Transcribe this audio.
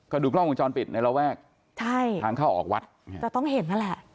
ก็ดูกล้องวงจรปิดในระแวกใช่ทางเข้าออกวัดจะต้องเห็นนั่นแหละ